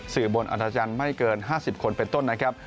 บนอัธจันทร์ไม่เกิน๕๐คนเป็นต้นนะครับ